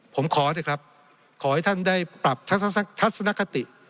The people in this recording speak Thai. ผมขอเถอะครับขอให้ท่านได้ปรับทัศนคติ